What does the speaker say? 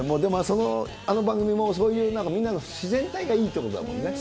あの番組も、そういうなんか、みんなの自然体がいいということだもんね。